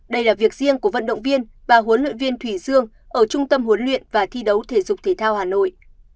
đây là việc riêng của vận động viên và huấn luyện viên thủy dương ở trung tâm huấn luyện và thi đấu thể dục thể thao hà nội